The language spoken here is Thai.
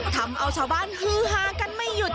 ทำเอาชาวบ้านฮือฮากันไม่หยุด